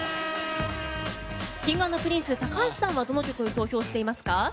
Ｋｉｎｇ＆Ｐｒｉｎｃｅ高橋さんはどの曲に投票していますか？